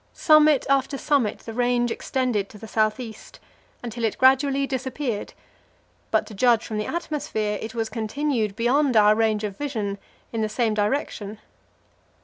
Summit after summit the range extended to the south east, until it gradually disappeared; but to judge from the atmosphere, it was continued beyond our range of vision in the same direction.